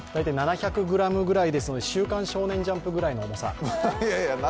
７００ｇぐらいですので、「週刊少年ジャンプ」ぐらいの重さ。